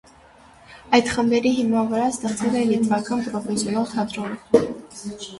Այդ խմբերի հիման վրա ստեղծվել է լիտվական պրոֆեսիոնալ թատրոնը։